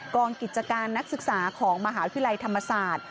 กิจการนักศึกษาของมหาวิทยาลัยธรรมศาสตร์